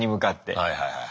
はいはいはいはい。